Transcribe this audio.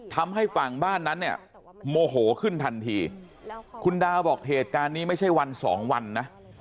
ทำให้ฝั่งบ้านนั้นเนี่ยโมโหขึ้นทันทีคุณดาวบอกเหตุการณ์นี้ไม่ใช่วันสองวันนะ